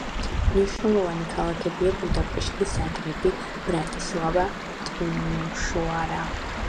მნიშვნელოვანი ქალაქებია ბუდაპეშტი, ზაგრები, ბრატისლავა, ტიმიშოარა.